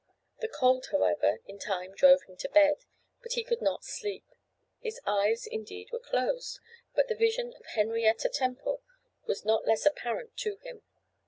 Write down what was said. The cold, however, in time drove him to bed, but he could not sleep; his eyes indeed were closed, but the vision of Henrietta Temple was not less apparent to him.